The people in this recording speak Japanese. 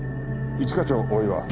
一課長大岩。